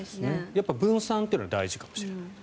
やはり分散というのは大事かもしれない。